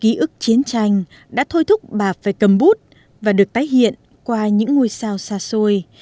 ký ức chiến tranh đã thôi thúc bà phải cầm bút và được tái hiện qua những ngôi sao xa xôi